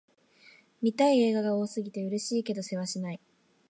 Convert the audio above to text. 見たい映画が多すぎて、嬉しいけどせわしない